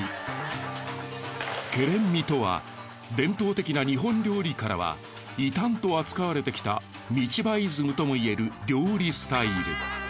外連味とは伝統的な日本料理からは異端と扱われてきた道場イズムともいえる料理スタイル。